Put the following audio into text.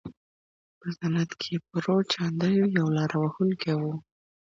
په سند کې پرو چاندیو یو لاره وهونکی و.